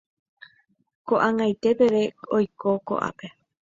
Ko'ag̃aite peve oiko ko'ápe.